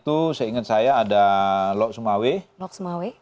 itu seingat saya ada lok sumawwe